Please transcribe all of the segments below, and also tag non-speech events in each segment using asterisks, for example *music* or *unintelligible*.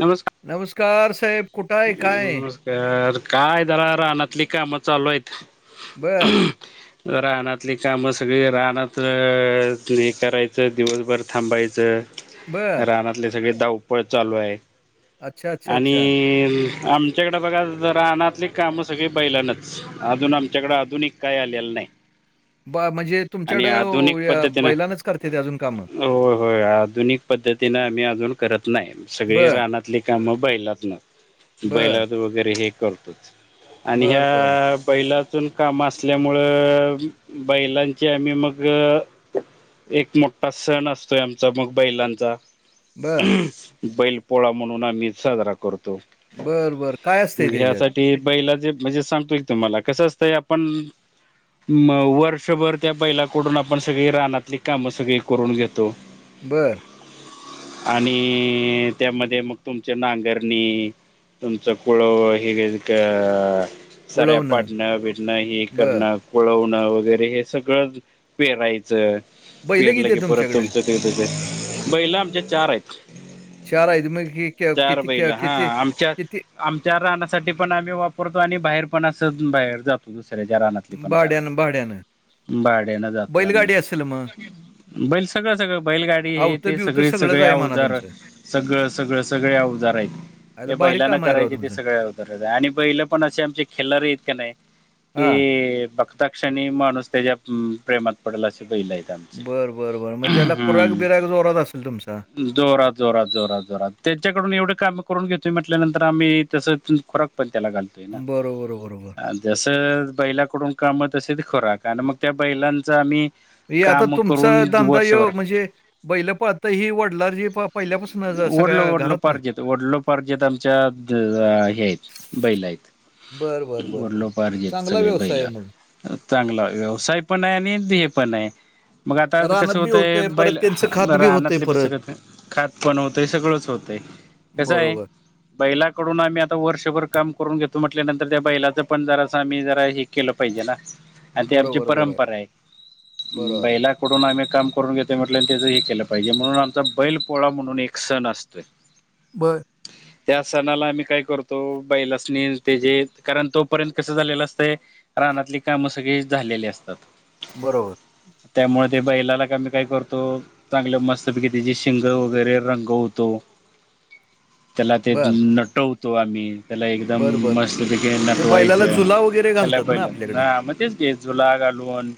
नमस्कार. नमस्कार साहेब कुठा आहे काय? तर काय जरा रानातली कामं चालू आहेत. बरं. रानातली काम सगळी रानात हे करायचं दिवसभर थांबायचं बरं. रानातले सगळे धावपळ चालू आहे. अच्छा, अच्छा, आणि अच्छा. आमच्याकडें बघा रानातली कामं सगळी बैलानच अजून आमच्याकडें आधुनिक काही आलेलं नाही. ब म्हणजे आणि तुमच्याकडं आधुनिक अ, या पद्धतीने बैलानंच करतात अजून कामं? हो होय आधुनिक पद्धतीन आम्ही अजून करत नाही. सगळे बरं, रानातली काम बैलात न बरं, बैलाद वगैरे हे करतच आणि बरं, बरं, ह्या बैलातून काम असल्यामुळं बैलांची आम्ही मग एक मोठा सण असतोय आमचा मग बैलांचा. बरं, बैल पोळा म्हणून आम्ही साजरा करतो. बरं बर काय असतंय त्याच्यात ते बैला जे म्हणजे सांगतोय तुम्हाला कसं असतंय आपण म वर्षभर त्या बैलाकडून आपण सगळी रानातली कामं सगळी करून घेतो. बरं. आणि त्यामध्ये मग तुमच्या नांगरणी- तुमचा कुळ हिग का. *inaudible* साऱ्या कुळवणं. पाडणं भेटणं हे बरं. करणं कळवणं वगैरे हे सगळं पेरायचं बैलं पेरलं किती की आहेत परत तुमच्याकडे? तुमचं ते बैला आमच्या चार आहेत. चार आहेत मग की क चार किती क बैल हा किती आमच्यात किती आमच्या राहण्यासाठी पण आम्ही वापरतो आणि बाहेर पण अस बाहेर जातो. तू दुसऱ्याच्या रानातली पण भाड्यानं, भाड्यानं. करायला भाड्यानं जातो आम्ही. बैलगाडी असेल मग? बैल सगळं सगळं बैलगाडी हे ते अवतं-बिवतं सगळे सगळंच सगळे आहे म्हणा अवजार. तुमचं. सगळं सगळं सगळे अवजार आहेत. आयला हे भारी बैलांना काम आहे राव करायचे ते तुमचं. सगळ्या अवजार आणि बैलं पण असे आमचे खेलार आहेत का नाही. हां. कि बघता क्षणी माणूस त्याच्या प्रेमात पडेल असे बैल आहेत. आमचे. बरं बरं बरं मग त्याला पुराग बिरग जोरात असेल तुमचा? जोरा जोरात. जोरात जोरात त्याच्याकडून एवढे काम करून घेतोय म्हटल्यानंतर आम्ही तसं खोराक पण त्याला घालतो. ते ना. बरोबर, बरोबर. जसं बैलाकडून काम तस खोराक आणि मग त्या बैलांच आम्ही हे आता काम तुमचा करून धंदा वर्षभर यो, म्हणजे बैलं पाळता ही वढलाजी पहिल्यापासून- ओढलो, सगळ्या घरातनच? ओढलोपार्जेत. ओढलोपार्जेत आमच्यात हे आहेत. बैला बरं, आहेत, बरं, बरं, बरं. वडलोपारजेत चांगला सगळ व्यवसाय बैल. आहे मग. *unintelligible* चांगला व्यवसाय पण आहे आणि हे पण आहे. मग आता कसं रानात बी होतंय, परत बैल त्यांचं खात बी होतंय राहनाले कसं परत. करते *unintelligible* खात- पण होतय, सगळंच होतय, कसं आहे- बरोबर, बैलाकडून आम्ही आता वर्षभर काम करून घेतो, म्हटल्यानंतर त्या बैलाचं पण जरा आम्ही जरा- केलं पाहिजे ना आणि ते आमची बरोबर, बरोबर, परंपरा आहे. बरोबर. बैला- म्हणून आम्ही काम करून घेतोय, म्हणजे त्याच केलं पाहिजे म्हणून आमचा बैल पोळा म्हणू- म्हणून एक सण असतोय. बरं. *inaudible* त्या सणाला आम्ही काय करतो, बैलासनी ते जे कारण तोपर्यंत कसं झालेलं असतंय- रानातली कामं सगळी झालेली असतात. बरोबर. त्यामुळे ते बैलाला काय आम्ही काय करतो, चांगलं मस्त पैकी तीची शिंग वगैरे- रंगवतो, त्याला ते बरं, नटवतो आम्ही. त्याला एकदम बरं, बरं. मस्त पैकी ते बैलाला नटवायचे, जुला वगैरे त्याला घालतात ना पहिले म आपल्याकडे हा तेच की. झुला घालून-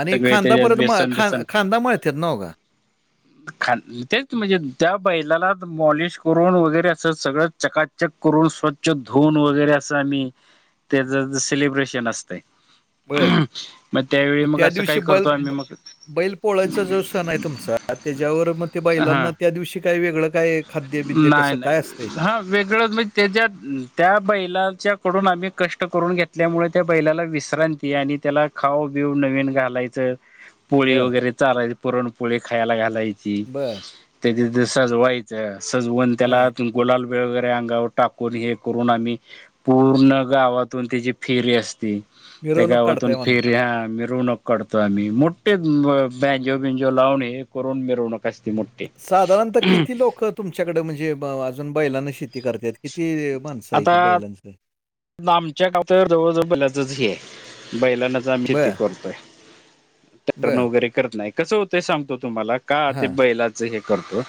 आणि सगळे खांदा त्याच्यात परत म व्यसन ख बिसन खांदा मळतेत नव गा? खांद *unintelligible* ते म्हणजे त्या बैलाला मॉलिश करून वगैरे, असं सगळं चकाचक करून स्व्छ- च्छ धुन वगैरे, अस आम्ही त्याच सेलब्रेशन असतय. बरं. मग त्यावेळी मग त्या असं दिवशी काय करतो बैल आम्ही मग. बैल पोळायचा जो सण आहे तुमचा, त्याच्यावर मग ते बैलांना त्या दिवशी काय वेगळं- काय खाद्य-बिद्य नाय, कसं नाय, काय असतंय? हा, वेगळंच म्हण- तेच्यात त्या बैलाच्याकडून आम्ही कष्ट करून घेतल्यामुळे त्या बैलाला विश्रांती आणि त्याला- खाऊ बिऊ नवीन घालायचं, पोळी बरं, वगैरे चारायची, पुरणपोळी वैगरे खायला घालायची. बर. त्या तिथ सजवायचं, सजवून त्याला- हां, गुलाल बेळ वगैरे, अंगावर टाकून हे करून आम्ही- पूर्ण गावातून त्याची फेरी असती, त्या मिरवणूक गावातून काढताय म्हणा. फेरी हा मिरवणूक - काढतो आम्ही. मोठे बॅजो, बिंजो लावून हे करून मिरवनूक असते मोठी. साधारणतः किती लोक तुमच्याकडे म्हणजे अजून बैलांना शेती करत्यात, किती म्हणत- आता साहित्य बैलांचं आहे. आमच्या गाव तर जवळजवळ बैलाचच हे, बैलांनाच- शेती बरं, करतोय, टॅक्टर्न बरं. वगैरे करत नाही, कसं होतंय सांगतोय तुम्हाला- का ते हां, बैलाच हे करतो?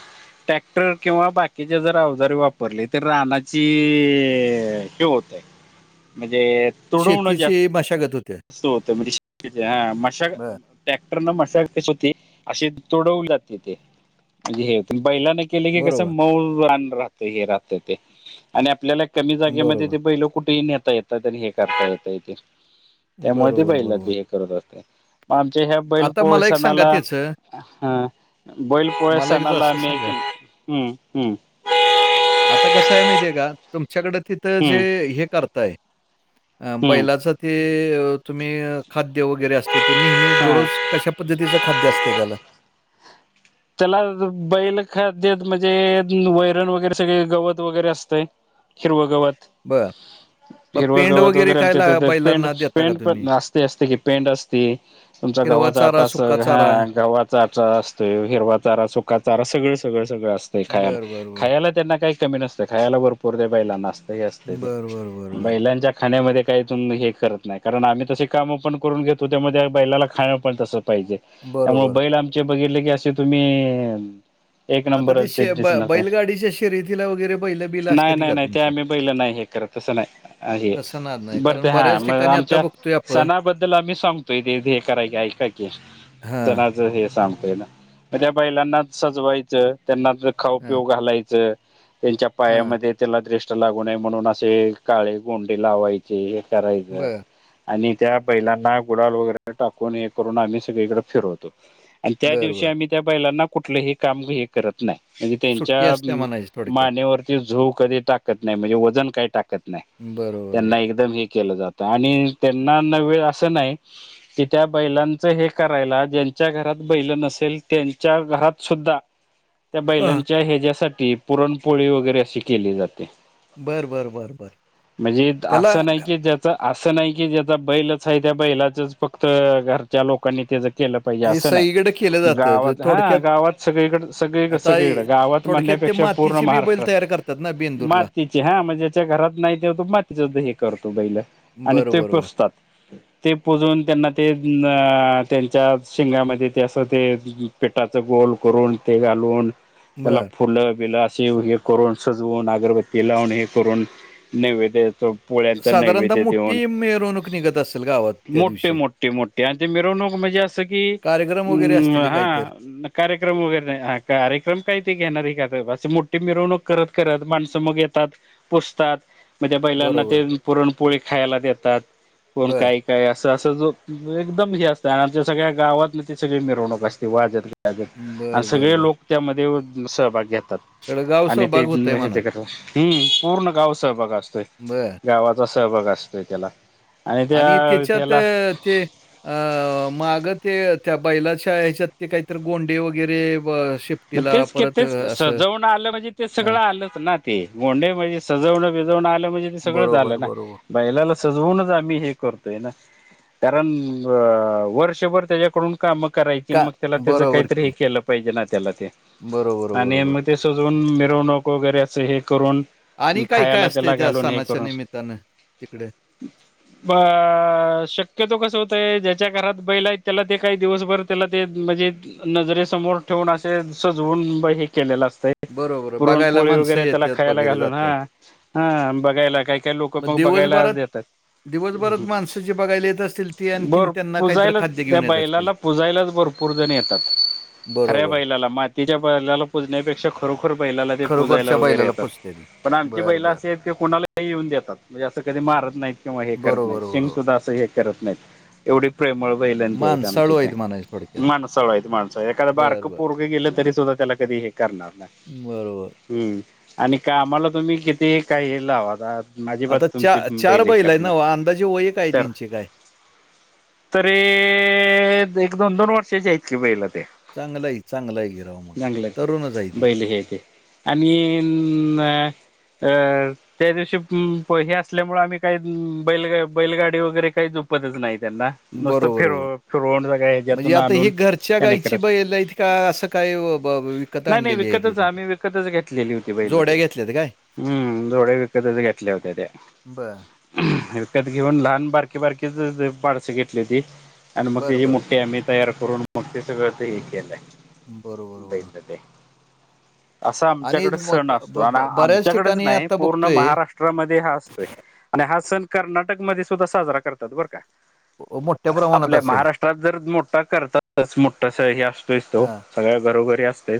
टॅक्टर किंवा बाकीच्या जर अवजारीे वापरली, तर रानाची हे होतय. म्हणजे- शेतीची मशागत होते. अस होत म्ह *unintelligible* मशागत- बरं. ट्रॅक्टरन मशागत होते, असे तोडवून जाते ते म्हणजे हे हो बैलाने- केले की, कस बरोबर, मऊ अन राहतय हे, राहतय ते आणि आपल्याला- कमी जागेमध्ये बरोबर, ते बैल कुठेही नेता येतात आणि हे करता येतय इथे. त्यामुळे ते बरोबर, बैलाचे बरोबर. हे करत असते, मग आमच्या ह्या बैल आता पोळ मला एक सांगा सणाला त्याचं, हां बैल पोळा *unintelligible* मला एक सणाला असं मी *unintelligible* सांगा, हम्म हम्म आता कसं आहे माहिती आहे का तुमच्याकडे तिथ ते जे हम्म हे करताय, हम्म बैलाच ते अ तुम्ही खाद्य वगैरे असते ते नेहमीच हा दररोज कशा पद्धतीचं खाद्य असते त्याला. त्याला आ बैल खाद्य म्हणजे वैरण वगैरे सगळे गवत वगैरे असतंय हिरवं गवत बरं. मग हिरव पेंड गवत वगैरे काय असतंय ला आमच्या पेंड बैलांना देता का पेंड तुम्ही? पण असते असते कि पेंड असते. तुमचा हिरवा गव्हाचा आटा चारा, अस, सुका चारा? हां गव्हाचा आटा असतोय. हिरवा चारा, सुका चारा, सगळं सगळं सगळं असतंय खायला, बरं, बरं, बरं. खायला त्यांना काही कमी नसते खायाला भरपूर त्या बैलांना असतय असते ते, बरं, बरं, बरं, बरं. बैलांच्या खाण्यामध्ये काहीतून हे करत नाही कारण आम्ही तसे कामं पण करून घेतो त्यामध्ये बैलाला खाणं पण तसं पाहिजे. अं मग बरोबर. बैल आमचे बघितले की असे तुम्हीइइइ एक आता नंबरच ते शे ब दिसणाराय, बैलगाडीच्या शर्यतीला वगैरे बैलं-बिलं नाही असत्याती नाही का नाही ते तुमची? आम्ही बैलं नाही हे करत. तसं नाही, आहे, तसं ना नाही. बरं ते कारण हां बऱ्याच मग ठिकाणी आता आमच्या बघतोय आपण सणाबद्दल आम्ही सांग ते *unintelligible* हे कराय की ऐकाय की हां, सणाच हे सांगतोय ना? मग त्या बैलांनाच सजवायचं, त्यांना जे खाऊ हां, पिऊ घालायचं, त्यांच्या हां. पायामध्ये त्याला दृष्ट लागू नये म्हणून असे काळे गोंडे लावायचे हे करायचं बरं, आणि त्या बैलांना गुलाल वगैरे टाकून, हे करून आम्ही सगळीकडे फिरवतो. आणि त्या बरं, दिवशी बरं. आम्ही त्या बैलांना कुठलंही काम हे करत नाही, म्हणजे सुट्टी त्यांच्या असते मं म्हणायची थोडक्यात. मानेवरती झू कधी टाकत नाही, म्हणजे वजन काय टाकत नाही. बरं, बरं, त्यांना बरं. एकदम हे केलं जातं आणि त्यांना ना वेळ असं नाही की त्या बैलांचं हे करायला ज्यांच्या घरात बैल नसेल त्यांच्या घरात सुद्धा त्या हां. बैलांच्या ह्याच्या्यासाठी पुरणपोळी वगैरे अशी केली जाते. बरं, बरं, बरं, बरं. म्हणजे असं त्याला नाही की त्यात तर असं नाही की ज्याचा बैलच आहे त्या बैलाचच फक्त, घरच्या लोकांनी त्याच केलं पाहिजे असं नाही. तिकडं केलं जात. गावात हां गावात सगळीकड सगळीकड आता सगळीकड हे गावात थोडक्यात ते म्हणण्यापेक्षा पूर्ण मातीची बी बैल महाराष्ट्रात. तयार करतात ना बेंदूरला. मातीची हां म्हणजे ज्याच्या घरात नाही तेंव्हा तो मातीच हे करतो बैल आणि बरं, ते बरोबर. पुज तात ते पुजून त्यांना ते अंअंअं त्यांच्या शिंगामध्ये ते असं ते पिठाचं गोल करून ते घालून त्याला बरं. फुलं बिलं अशी हे करून सजवून, अगरबत्ती लावून हे करून नैवेद्य येतो पोळ्यांचा साधारणतः नैवेद्य देऊन, मोठी मिरवणूक निघत असेल गावात त्या मोठे दिवशी. मोठे मो त्यांची मिरवणूक म्हणजे असं की कार्यक्रम वगैरे असतील अंअं हे हां काहीतर? कार्यक्रम वगैरे नाही हं कार्यक्रम काय ते घेणार का असे मोठी मिरवणूक करत करत माणसं मग येतात पुजतात मग त्या बैलांना बरोबर. ते पुरणपोळी खायला देतात कोण बरं. काय काय अस अस जो एकदम हे असत, आणि आमच्या सगळ्या गावात न ती सगळी मिरवणूक असते वाजत गाजत आणि बरं, बरं, सगळे बरं. लोक त्यामध्ये सहभाग घेतात. सगळं गाव आणि ते सहभाग होतंय म्हणा. त पूर्ण गाव सहभाग असतोय बरं गावात सहभाग असतोय त्याला आणि त्या आआआ त्यला अंअं माग ते त्या बैलाच्या ह्याच्यात ते काहीतरी गोंडे वगैरे शेप मग तेच की तेच की सजवुण आलं म्हणजे ते हां. सगळं आलंच ना ते गोंडे म्हणजे सजवणं बिजवणं आलं म्हणजे ते सगळंच बरोबर, आलं ना बरोबर. बैलाला सजवूनच आम्ही हे करतोय ना कारण अ अ वर्षभर त्याच्याकडून काम करायची आन का मग त्याला त्याच बरोबर काहीतरी हे की. केलं पाहिजे ना त्याला ते बरोबर, आणि बरोबर. मग ते सजून मिरवणूक वगैरे असं हे करून आणि काय, काय खायला असते त्याला त्या घालून सणाच्या निमित्ताने तिकडे? ह *unintelligible* अ शक्यतो कसं होतंय ज्याच्या घरात बैल आहेत त्याला ते काही दिवसभर त्याला ते म्हणजे नजरे समोर ठेवून असे सजवून हे केलेलं असतय बरोबर. पुरण बघायला पोळी माणसं वगैरे त्याला येतात खायला वगैरे घालून हा जातात. हा बघायला काही काय लोक लोक मग बघायला दिवसभरात देतात. दिवसभरात माणसं जी बघायला येत असतील ती आणखीन बर त्यांना काहीतरी पूजायला खाद्य त्या घेऊन येत असतील. बैलाला पुजायलाच भरपूर जण येतात. खऱ्या बरोबर. बैलाला मातीच्या बैल पुजण्यापेक्षा खरोखर बैलाला ते पुजायला खरोखरच्या वगैरे बैलाला येतात. पुजते ती. पण आमची बरं, बरं. बैलअसे आहेत. की कोणाला येऊन देतात. म्हणजे असं कधी मारत नाहीत. किंवा हे करत बरोबर, नाहीत शिंग बरोबर. सुद्धा असं हे करत नाहीत. एवढी प्रेमळ बैलं ते आहेत माणसाळू आमच्या म्हणायचं इथे थोडक्यात. माणसाळु आहेत माणसाळु एखादा बारका बरं, बरं. कुठे गेल तरी सुद्धा त्याला कधी हे करणार नाही. बरोबर. हम्म आणि कामाला तुम्ही किती काही लावा अजिबात आता चा तुमची बैल हे आहे करनार ना हो? अंदाजे वय नाही काय तर. त्यांची काय? तरी एक, दोन, दोन वर्षाची आहेत की बैल ते. चांगलं आहे, चांगलं आहे. की राव मग. चागलय तरुणच आहे ती. बैल घ्यायचे आणि अ ह. त्या दिवशी हे असल्यामुळे आम्ही काही बैलग बैलगाडी वगैरे काही जोपतच नाही त्यांना. मस्त बरोबर, बरोबर. फिरुव फिरूवण सगळ्या म्हणजे याच्यातुन आता ही आणून घरच्या त्या गाईची करत. बैल आहेत का असं काय व ब विकत नाही, नाही आणलेली आहे ती विकतच तुम्ही? आम्ही विकतच घेतलेली होती बैल जोड्या ते. घेतल्यात काय? हम्म, जोड्या विकतच घेतल्या होत्या त्या. बर. विकत घेऊन लहान बारकी, बारकीच पाडस घेतली होती आणि मग बरं, त्याची बरं. मुठठी आम्ही तयार करून मग ते सगळं तर हे केलं आहे. बर, बर, बर. होते. असा आणि आमच्याकडे मग सण क- असतो ब आणि ब बऱ्याच आमच्याकडेच ठिकाणी नाही आता पूर्ण बघतोय महाराष्ट्रामध्ये हा असतोय. आणि हा सण कर्नाटकमध्ये सुद्धा साजरा करतात बरं काय. मोठ्या प्रमाणात आपल्या असेल. महाराष्ट्रात जर मोठा करतातच मोठास हे असतोस तो हां. सगळ्या घरोघरी असतोय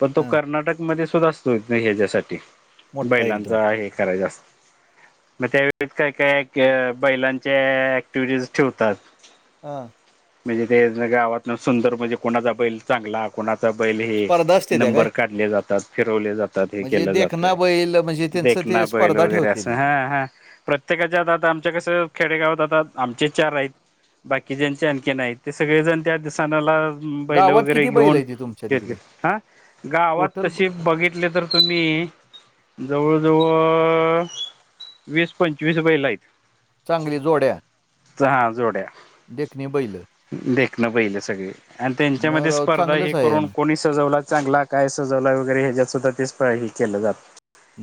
पण तो हं. कर्नाटकमध्ये सुद्धा असतोय ह्याच्यासाठी मोठा एकदम. बैलांचं हे करायचं असत. मग त्यावेळेत काय, काय बैलांच्या ऍक्टिव्हटीज ठेवतात. हां. म्हणजे ते गावातन सुंदर म्हणजे कोणाचा बैल चांगला कोणाचा बैल हे स्पर्धा असते त्या काय? नंबर काढले जातात. फिरवले जातात हे म्हणजे केलं जात देखना बैल म्हणजे त्यांचं देखना ते बैल स्पर्धा वगैरे ठेवते असं ती. हा. हा आता आमच्या कसं खेडेगावात आता आमचे चार आहेत, बाकी ज्यांचे आणखी. नाही ते सगळेजण त्या दिसानाला बैल गावात वगैरे किती बैल घेऊन आहे ती तुमच्या तिकडे? घेतले हा गावात टोटल तसे बघितले, तर तुम्ही जवळजवळ वीस पंचवीस बैल आहेत. चांगली जोड्या. हा जोड्या देखणी बैल देखणं बैल सगळे आणि मग त्यांच्यामध्ये, राव स्पर्धा हे चांगलंच आहे. करून कोणी सजवला चांगला. काय सजवलं वगैरे ह्याच्यात सुद्धा तेच, केलं जात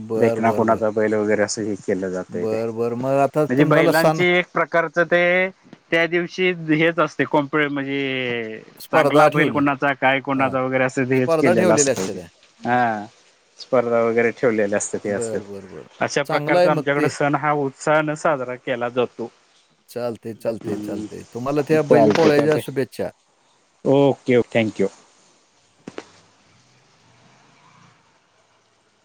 बरं, देखना बरं, बरं. कुणाचा बैल वगैरे अस हे केलं जातय, ते बरं, बरं. मग आता म्हणजे तुम्हाला सन बैलांची एक प्रकार ते त्या दिवशी हेच असते. कोंपळे म्हणजे. चांगला स्पर्धा बैल ठेवले कोणाचा काय हा हा. कोणाचा वगैरे असं तेच, स्पर्धा केलेलं ठेवलेल्या असत असत्या तेे त्या ह स्पर्धा वगैरे ठेवलेल्या असतात ते असतात. बर बर बर अशा चांगलं आहे प्रकारचा मग आमच्याकडे, ते सण हा उत्साह न साजरा केला जतो. चालते चालते चालते तुम्हाला, त्या बैल चालते पोळायच्या चालते शुभेच्छा ओके ओ थँक्यू